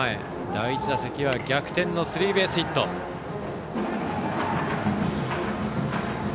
第１打席は逆転のスリーベースヒットでした。